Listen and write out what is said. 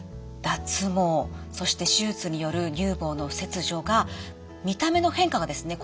脱毛そして手術による乳房の切除が見た目の変化がですね